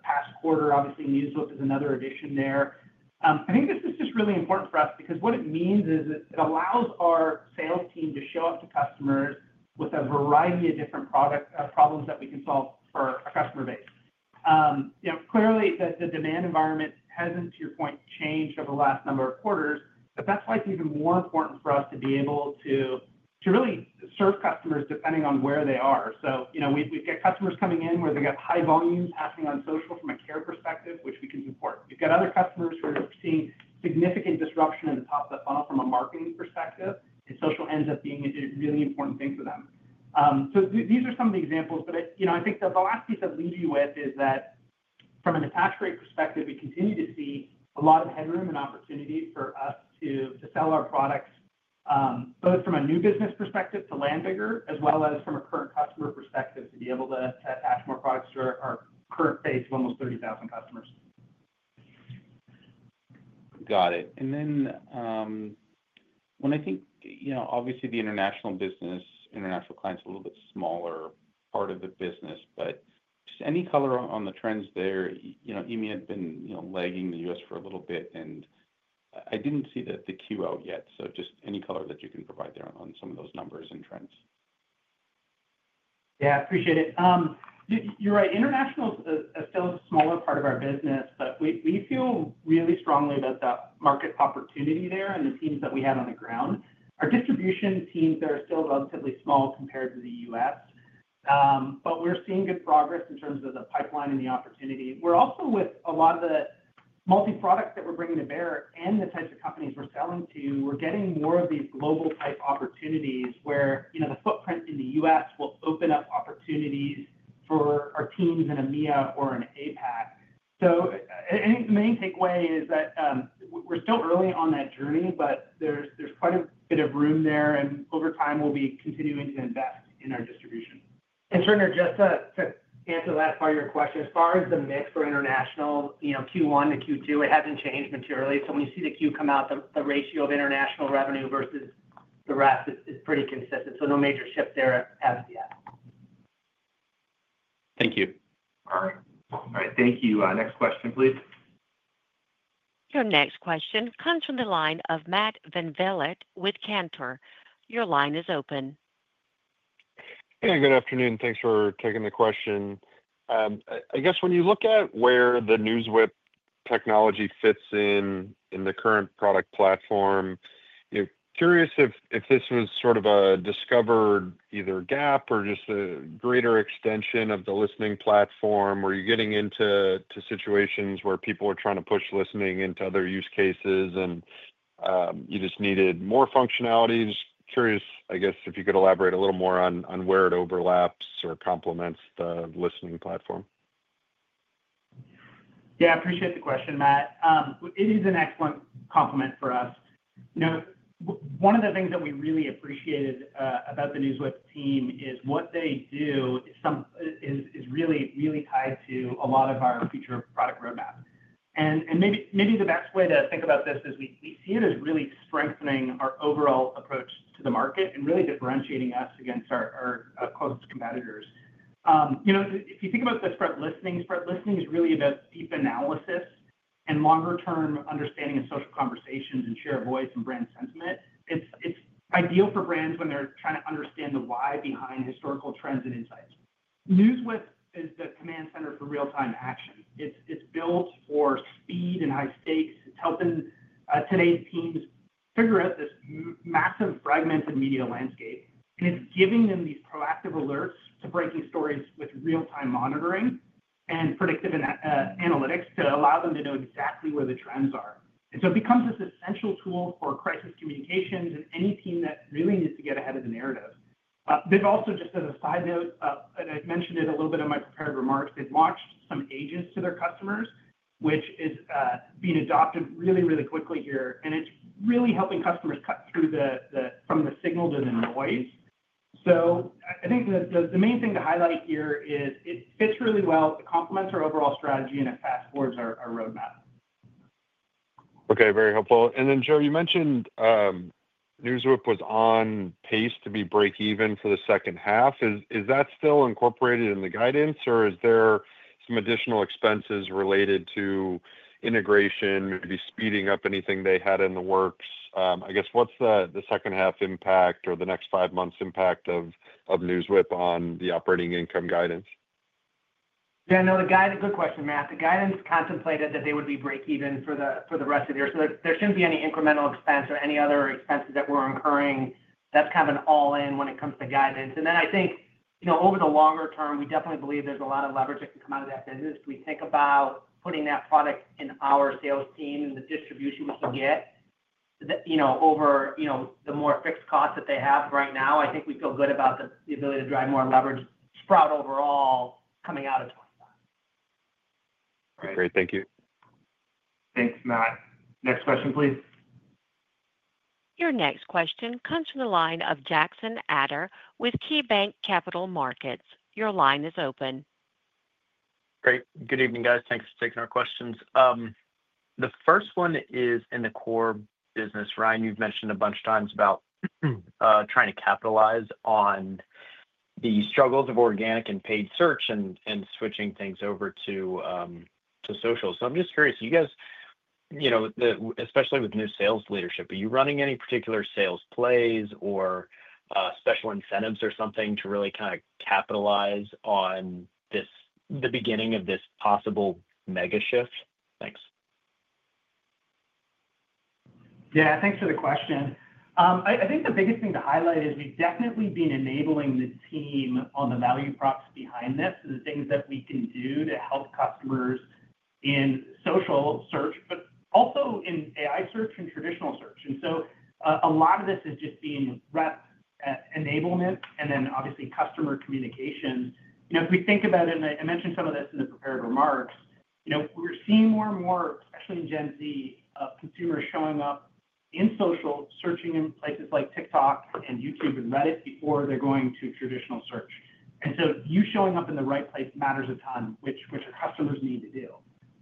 past quarter, obviously, NewsWhip is another addition there. I think this is just really important for us because what it means is it allows our sales team to show up to customers with a variety of different product problems that we can solve for our customer base. Clearly, the demand environment hasn't, to your point, changed over the last number of quarters. That's why it's even more important for us to be able to really serve customers depending on where they are. We've got customers coming in where they've got high volumes happening on social from a care perspective, which we can support. We've got other customers who are seeing significant disruption in the top to the bottom from a marketing perspective, and social ends up being a really important thing for them. These are some of the examples. I think the last piece I'd leave you with is that from an attach rate perspective, we continue to see a lot of headroom and opportunity for us to sell our products, both from a new business perspective to land bigger, as well as from a current customer perspective to be able to add more products to our current base of almost 30,000 customers. Got it. When I think, you know, obviously, the international business, international clients are a little bit smaller part of the business, but just any color on the trends there, you know, EMEA had been lagging the U.S. for a little bit, and I didn't see the Q out yet. Just any color that you can provide there on some of those numbers and trends. Yeah, I appreciate it. You're right. International is still a smaller part of our business, but we feel really strongly that the market opportunity there and the teams that we have on the ground, our distribution teams are still relatively small compared to the U.S. But we're seeing good progress in terms of the pipeline and the opportunity. We're also, with a lot of the multi-products that we're bringing to bear and the types of companies we're selling to, getting more of these global type opportunities where the footprint in the U.S. will open up opportunities for our teams in EMEA or in APAC. I think the main takeaway is that we're still early on that journey, but there's quite a bit of room there, and over time, we'll be continuing to invest in our distribution. Certainly, just to answer that part of your question, as far as the mix for international, Q1 to Q2 hasn't changed materially. When you see the Q come out, the ratio of international revenue versus the rest is pretty consistent. No major shifts there as of yet. Thank you. All right. Thank you. Next question, please. Your next question comes from the line of Matt VanVliet with Cantor. Your line is open. Yeah, good afternoon. Thanks for taking the question. I guess when you look at where the NewsWhip technology fits in in the current product platform, curious if this was sort of a discovered either gap or just a greater extension of the listening platform. Were you getting into situations where people were trying to push listening into other use cases and you just needed more functionality? Just curious if you could elaborate a little more on where it overlaps or complements the listening platform. Yeah, I appreciate the question, Matt. It is an excellent complement for us. You know, one of the things that we really appreciated about the NewsWhip team is what they do is really, really tied to a lot of our feature product roadmap. Maybe the best way to think about this is we see it as really strengthening our overall approach to the market and really differentiating us against our closest competitors. You know, if you think about the Sprout listening, Sprout listening is really about deep analysis and longer-term understanding of social conversations and share of voice and brand sentiment. It's ideal for brands when they're trying to understand the why behind historical trends and insights. NewsWhip is the command center for real-time action. It's built for speed and high stakes. It's helping today's teams figure out this massive fragmented media landscape. It's giving them these proactive alerts to breaking stories with real-time monitoring and predictive analytics to allow them to know exactly where the trends are. It becomes this essential tool for crisis communications and any team that really needs to get ahead of the narrative. Also, just as a side note, and I've mentioned it a little bit in my prepared remarks, they've launched some AI Assist to their customers, which is being adopted really, really quickly here. It's really helping customers cut through some of the signals and the noise. I think the main thing to highlight here is it fits really well, complements our overall strategy, and it fast-forwards our roadmap. Okay, very helpful. Joe, you mentioned NewsWhip was on pace to be break-even for the second half. Is that still incorporated in the guidance, or is there some additional expenses related to integration, maybe speeding up anything they had in the works? What's the second half impact or the next five months' impact of NewsWhip on the operating income guidance? Yeah, no, the guidance, good question, Matt. The guidance contemplated that they would be break-even for the rest of the year. There shouldn't be any incremental expense or any other expenses that we're incurring. That's kind of an all-in when it comes to guidance. I think, over the longer term, we definitely believe there's a lot of leverage that can come out of that business. We think about putting that product in our sales team and the distribution we can get over the more fixed costs that they have right now. I think we feel good about the ability to drive more leverage Sprout overall coming out of. Great. Thank you. Thanks, Matt. Next question, please. Your next question comes from the line of Jackson Ader with KeyBanc Capital Markets. Your line is open. Great. Good evening, guys. Thanks for taking our questions. The first one is in the core business. Ryan, you've mentioned a bunch of times about trying to capitalize on the struggles of organic and paid search and switching things over to social. I'm just curious, you guys, especially with new sales leadership, are you running any particular sales plays or special incentives or something to really kind of capitalize on the beginning of this possible mega shift? Thanks. Yeah, thanks for the question. I think the biggest thing to highlight is we've definitely been enabling the team on the value props behind this, the things that we can do to help customers in social search, but also in AI search and traditional search. A lot of this is just rep enablement and then obviously customer communications. If we think about it, and I mentioned some of that in the prepared remarks, we're seeing more and more, especially in Gen Z, consumers showing up in social, searching in places like TikTok and YouTube and Reddit before they're going to traditional search. Showing up in the right place matters a ton, which our customers need to do.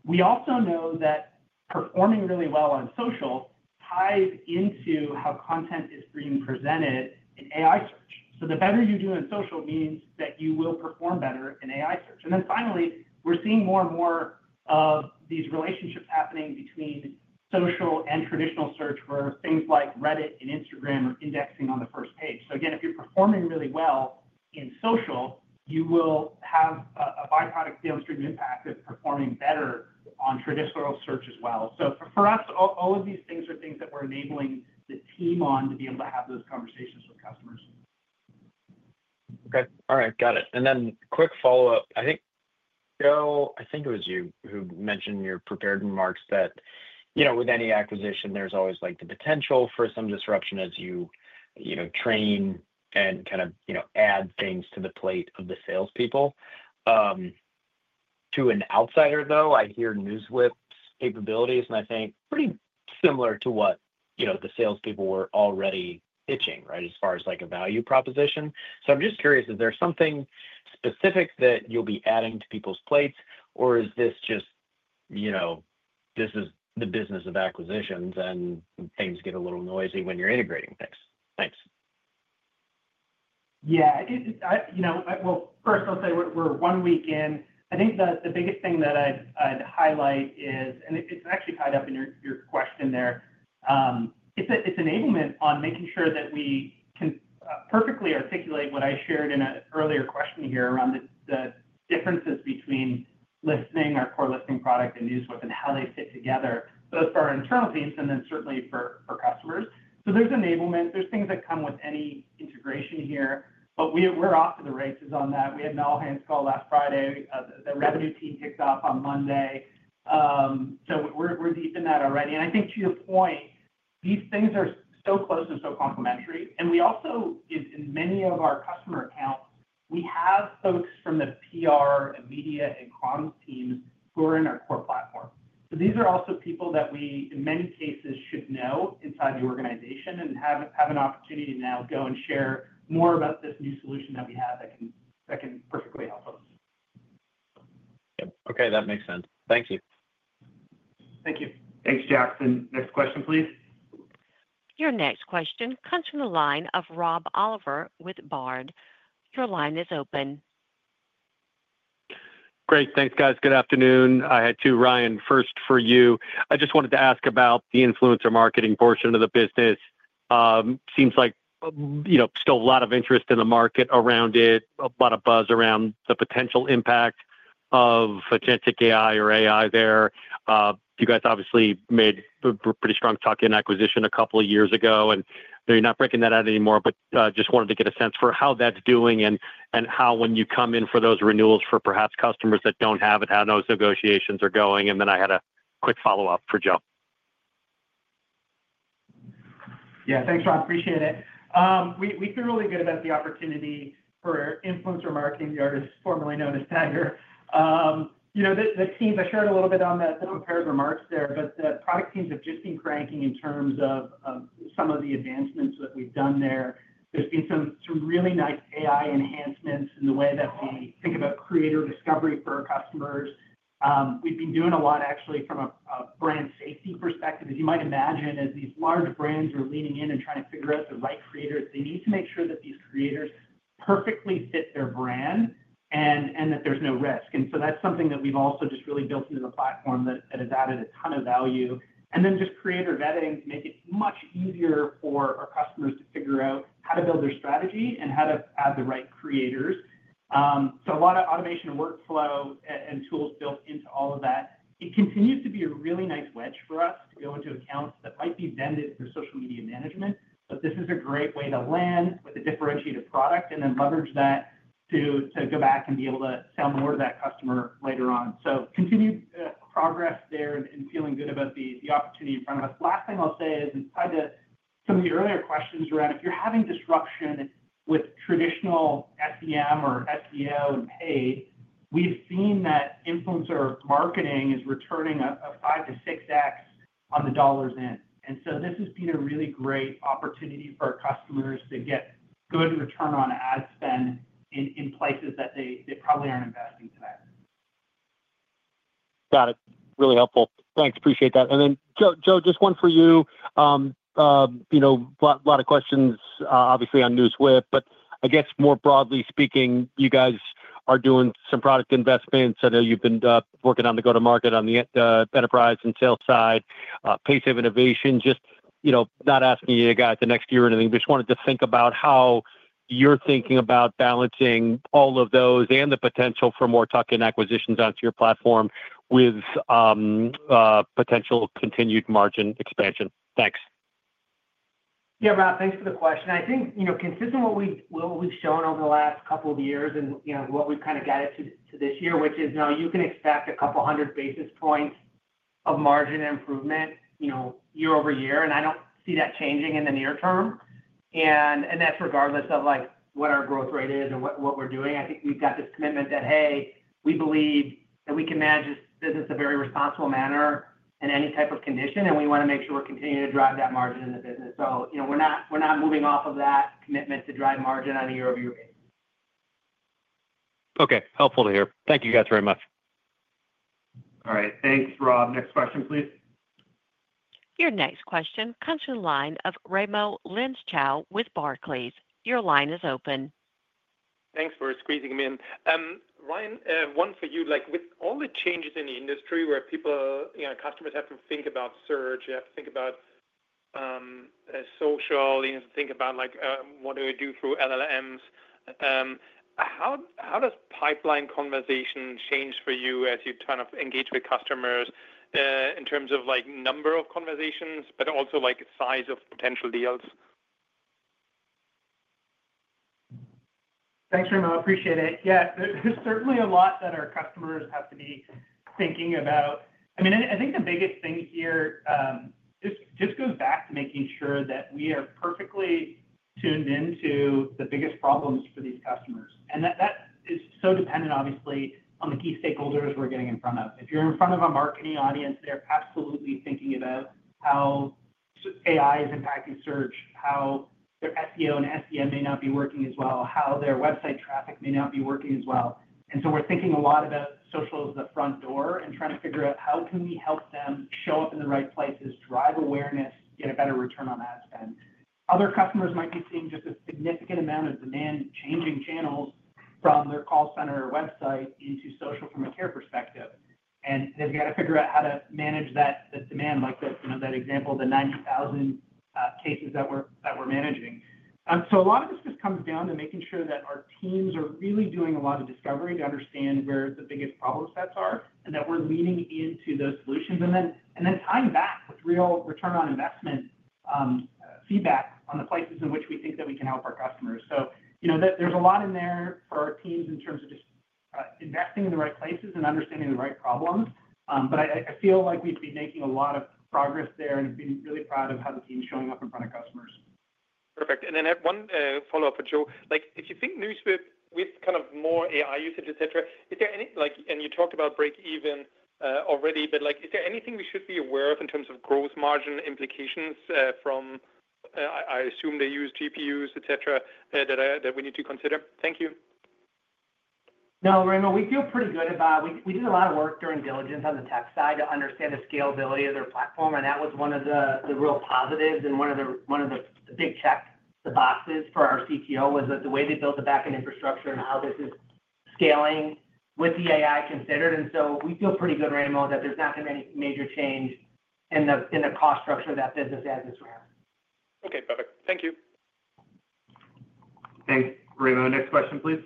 We also know that performing really well on social ties into how content is being presented in AI search. The better you do in social means that you will perform better in AI search. Finally, we're seeing more and more of these relationships happening between social and traditional search where things like Reddit and Instagram are indexing on the first page. If you're performing really well in social, you will have a byproduct downstream impact of performing better on traditional search as well. For us, all of these things are things that we're enabling the team on to be able to have those conversations with customers. Okay. All right. Got it. Quick follow-up. I think, Joe, I think it was you who mentioned in your prepared remarks that with any acquisition, there's always the potential for some disruption as you train and kind of add things to the plate of the salespeople. To an outsider, though, I hear NewsWhip's capabilities, and I think pretty similar to what the salespeople were already pitching, right, as far as a value proposition. I'm just curious, is there something specific that you'll be adding to people's plates, or is this just the business of acquisitions and things get a little noisy when you're integrating things? Thanks. Yeah, first, I'll say we're one week in. I think that the biggest thing that I'd highlight is, and it's actually tied up in your question there, it's enablement on making sure that we can perfectly articulate what I shared in an earlier question here around the differences between listening, our core listening product, and NewsWhip, and how they fit together, both for our internal teams and certainly for customers. There's enablement. There are things that come with any integration here. We're off to the races on that. We had an all-hands call last Friday. The revenue team kicked off on Monday. We're deep in that already. I think to your point, these things are so close and so complementary. We also, in many of our customer accounts, have folks from the PR and media and comms teams who are in our core platform. These are also people that we, in many cases, should know inside the organization and have an opportunity to now go and share more about this new solution that we have that can particularly help us. Okay, that makes sense. Thank you. Thank you. Thanks, Jackson. Next question, please. Your next question comes from the line of Rob Oliver with Baird. Your line is open. Great. Thanks, guys. Good afternoon. I had two, Ryan. First for you. I just wanted to ask about the influencer marketing portion of the business. It seems like, you know, still a lot of interest in the market around it, a lot of buzz around the potential impact of agentic AI or AI there. You guys obviously made a pretty strong Tagger acquisition a couple of years ago, and you're not breaking that out anymore, but I just wanted to get a sense for how that's doing and how when you come in for those renewals for perhaps customers that don't have it, how those negotiations are going. I had a quick follow-up for Joe. Yeah, thanks, Rob. Appreciate it. We feel really good about the opportunity for influencer marketing, the artist formerly known as Tagger. The teams, I shared a little bit on that in prepared remarks there, but the product teams have just been cranking in terms of some of the advancements that we've done there. There's been some really nice AI enhancements in the way that we think about creator discovery for our customers. We've been doing a lot, actually, from a brand safety perspective. As you might imagine, as these large brands are leaning in and trying to figure out the right creators, they need to make sure that these creators perfectly fit their brand and that there's no risk. That's something that we've also just really built into the platform that has added a ton of value. Then just creator vetting makes it much easier for our customers to figure out how to build their strategy and how to add the right creators. A lot of automation workflow and tools are built into all of that. It continues to be a really nice wedge for us to go into accounts that might be vended for social media management, but this is a great way to land with a differentiated product and then leverage that to go back and be able to sell more to that customer later on. Continued progress there and feeling good about the opportunity in front of us. Last thing I'll say is in spite of some of your earlier questions around if you're having disruption with traditional SEM or SEO and paid, we've seen that influencer marketing is returning a 5x-6x on the dollars end. This has been a really great opportunity for our customers to get good return on ad spend in places that they probably aren't investing in. Got it. Really helpful. Thanks. Appreciate that. Joe, just one for you. You know, a lot of questions, obviously, on NewsWhip, but I guess more broadly speaking, you guys are doing some product investments. I know you've been working on the go-to-market on the enterprise and sales side, pace of innovation. Not asking you to guide the next year or anything, but just wanted to think about how you're thinking about balancing all of those and the potential for more tuck-in acquisitions onto your platform with potential continued margin expansion. Thanks. Yeah, Rob, thanks for the question. I think, consistent with what we've shown over the last couple of years and what we've added to this year, which is, you can expect a couple hundred basis points of margin improvement year over year. I don't see that changing in the near term. That's regardless of what our growth rate is or what we're doing. I think we've got this commitment that, hey, we believe that we can manage this business in a very responsible manner in any type of condition, and we want to make sure we continue to drive that margin in the business. We're not moving off of that commitment to drive margin on a year-over-year basis. Okay, helpful to hear. Thank you guys very much. All right. Thanks, Rob. Next question, please. Your next question comes from the line of Raimo Lenschow with Barclays. Your line is open. Thanks for squeezing me in. Ryan, one for you. Like with all the changes in the industry where people, you know, customers have to think about search, you have to think about social, you have to think about like what do we do through LLMs. How does pipeline conversation change for you as you kind of engage with customers in terms of like number of conversations, but also like size of potential deals? Thanks, Raimo. I appreciate it. Yeah, there's certainly a lot that our customers have to be thinking about. I mean, I think the biggest thing here just goes back to making sure that we are perfectly tuned into the biggest problems for these customers. That is so dependent, obviously, on the key stakeholders we're getting in front of. If you're in front of a marketing audience, they're absolutely thinking about how AI is impacting search, how their SEO and SEM may not be working as well, how their website traffic may not be working as well. We're thinking a lot about social as the front door and trying to figure out how can we help them show up in the right places, drive awareness, get a better return on ad spend. Other customers might be seeing just a significant amount of demand changing channels from their call center or website into social from a care perspective. They've got to figure out how to manage that demand, like that example of the 90,000 cases that we're managing. A lot of this just comes down to making sure that our teams are really doing a lot of discovery to understand where the biggest problem sets are and that we're leaning into those solutions. Then tying that with real return on investment feedback on the places in which we think that we can help our customers. There's a lot in there for our teams in terms of just investing in the right places and understanding the right problems. I feel like we've been making a lot of progress there and have been really proud of how the team's showing up in front of customers. Perfect. One follow-up for Joe. If you think NewsWhip with more AI usage, et cetera, is there any, and you talked about break-even already, is there anything we should be aware of in terms of gross margin implications from, I assume they use GPUs, et cetera, that we need to consider? Thank you. No, Raimo, we feel pretty good about, we did a lot of work during diligence on the tech side to understand the scalability of their platform. That was one of the real positives. One of the big checkboxes for our CTO was that the way they built the backend infrastructure and how this is scaling with the AI considered. We feel pretty good, Raimo, that there's not that many major changes in the cost structure that business has this round. Okay, perfect. Thank you. Thanks. Raimo, next question, please.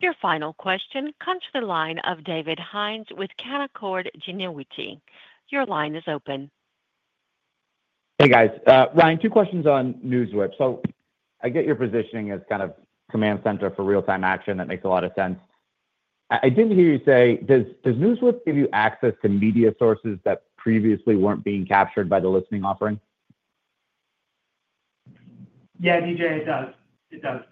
Your final question comes from the line of David Hynes with Canaccord Genuity. Your line is open. Hey, guys. Ryan, two questions on NewsWhip. I get your positioning as kind of command center for real-time action. That makes a lot of sense. I didn't hear you say, does NewsWhip give you access to media sources that previously weren't being captured by the listening offering? Yeah, David, it does.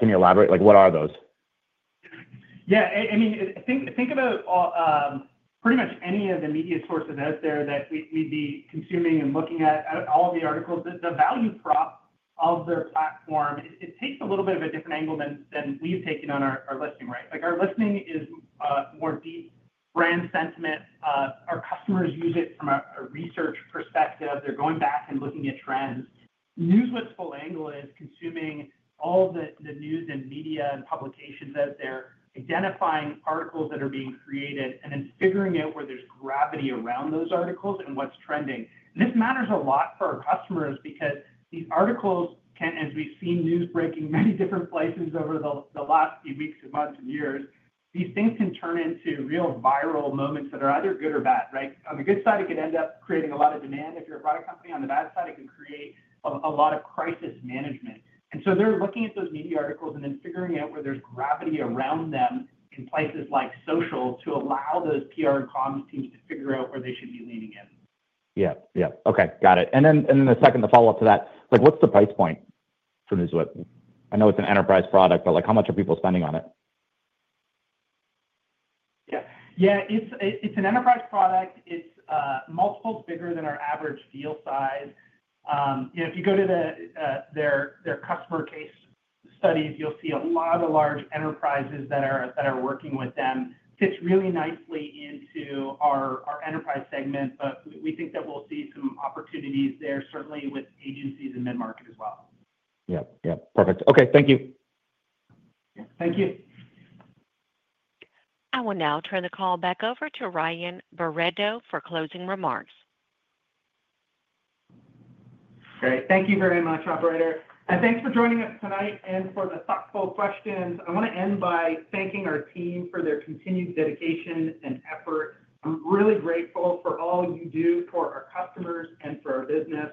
Can you elaborate? What are those? Yeah, I mean, think about pretty much any of the media sources out there that we'd be consuming and looking at, all the articles. The value prop of their platform, it takes a little bit of a different angle than we've taken on our listening, right? Like our listening is more deep. Brand sentiment, our customers use it from a research perspective. They're going back and looking at trends. NewsWhip's full angle is consuming all of the news and media and publications out there, identifying articles that are being created, and then figuring out where there's gravity around those articles and what's trending. This matters a lot for our customers because these articles can, and we've seen news breaking many different places over the last few weeks and months and years, these things can turn into real and viral moments that are either good or bad, right? On the good side, it could end up creating a lot of demand. If you're a product company, on the bad side, it could create a lot of crisis management. They're looking at those media articles and then figuring out where there's gravity around them in places like social to allow those PR and comms teams to figure out where they should be leaning in. Okay, got it. A second to follow up to that, what's the price point for NewsWhip? I know it's an enterprise product, but how much are people spending on it? Yeah, it's an enterprise product. It's multiples bigger than our average deal size. If you go to their customer case studies, you'll see a lot of the large enterprises that are working with them. It fits really nicely into our enterprise segment, and we think that we'll see some opportunities there, certainly with agencies in the market as well. Yeah, perfect. Okay, thank you. Thank you. I will now turn the call back over to Ryan Barretto for closing remarks. Okay, thank you very much, operator. Thank you for joining us tonight and for the thoughtful questions. I want to end by thanking our team for their continued dedication and effort. I'm really grateful for all that you do for our customers and for our business.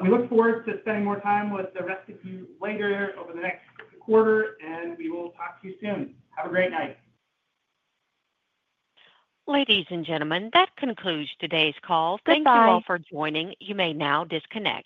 We look forward to spending more time with the rest of you later over the next quarter, and we will talk to you soon. Have a great night. Ladies and gentlemen, that concludes today's call. Thank you all for joining. You may now disconnect.